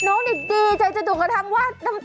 น้องนิดแถวกระทั่งว่า